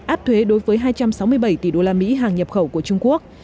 áp thuế đối với hai trăm sáu mươi bảy tỷ usd hàng nhập khẩu của trung quốc